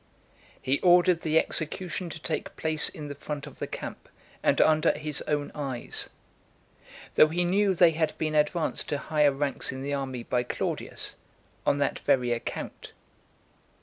He ordered the execution to take place in the front of the camp , and under his own eyes; though he knew they had been advanced to higher ranks in the army by Claudius, on that very account.